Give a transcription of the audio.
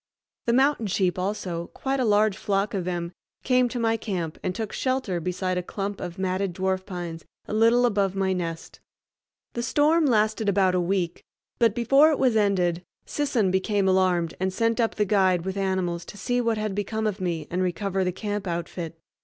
The mountain sheep also, quite a large flock of them, came to my camp and took shelter beside a clump of matted dwarf pines a little above my nest. The storm lasted about a week, but before it was ended Sisson became alarmed and sent up the guide with animals to see what had become of me and recover the camp outfit.